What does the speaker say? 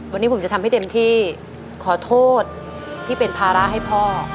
วันนี้ผมจะทำให้เต็มที่ขอโทษที่เป็นภาระให้พ่อ